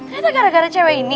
kenapa gara gara cewek ini